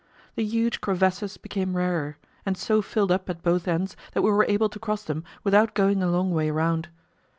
The huge crevasses became rarer, and so filled up at both ends that we were able to cross them without going a long way round.